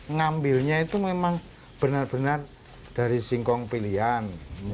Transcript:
ngambilnya itu memang benar benar dari singkong pilihan